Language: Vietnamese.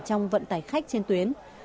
trong vận tải khách trên tuyến